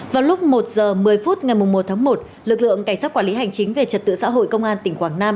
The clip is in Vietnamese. vào lúc một h một mươi phút ngày một tháng một lực lượng cảnh sát quản lý hành chính về trật tự xã hội công an tỉnh quảng nam